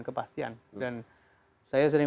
kepastian dan saya sering